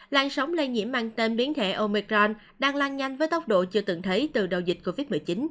lan sóng lây nhiễm mang tên biến thể omecron đang lan nhanh với tốc độ chưa từng thấy từ đầu dịch covid một mươi chín